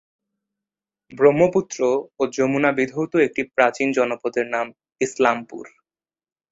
ব্রহ্মপুত্র ও যমুনা বিধৌত একটি প্রাচীন জনপদের নাম ইসলামপুর।